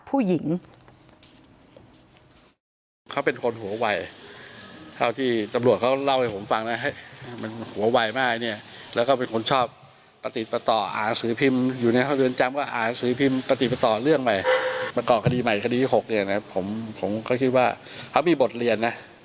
ทุกคดีพยานจำหน้าเขาได้หมดเลย